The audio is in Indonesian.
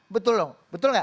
betul dong betul enggak